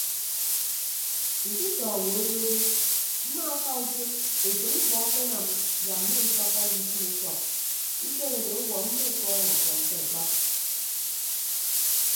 Nsutọ owo adodo mmaaka utom etәk mkpọ akpe anam yak mmensọppọ ndisịm ufọk usen odo ọwuọ mmekọọñ ọfọñ ke akpap.